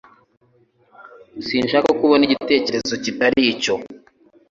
Sinshaka ko ubona igitekerezo kitari cyo